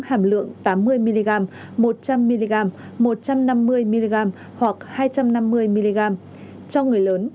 hàm lượng tám mươi mg một trăm linh mg một trăm năm mươi mg hoặc hai trăm năm mươi mg cho người lớn